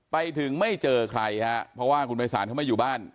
ไปถึงไม่เจอใครฮะเพราะว่าคุณภัยศาลเขาไม่อยู่บ้าน